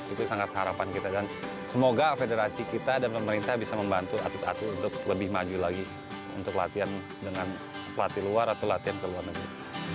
itu sangat harapan kita dan semoga federasi kita dan pemerintah bisa membantu atlet atlet untuk lebih maju lagi untuk latihan dengan pelatih luar atau latihan ke luar negeri